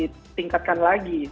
eskalasinya ditingkatkan lagi